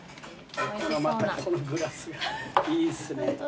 またこのグラスがいいっすね。